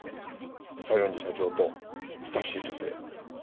西園寺社長と親しい女性。